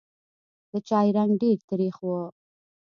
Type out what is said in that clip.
د چای رنګ ډېر تریخ و.